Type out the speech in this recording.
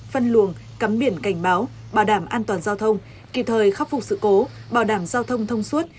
phân luồng cắm biển cảnh báo bảo đảm an toàn giao thông kịp thời khắc phục sự cố bảo đảm giao thông thông suốt